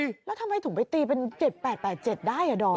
แล้วทำไมถูกไปตรีแบบเจ็ดแปดแบบเจ็ดได้แหล่ะดำ